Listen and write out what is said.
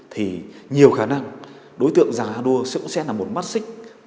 thì nhiều khả năng đối tượng giang a đua sẽ là một mắt xích